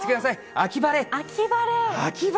秋晴れ！